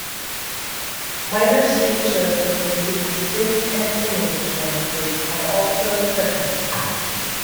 Minor street shows including skits and singing performances are also present.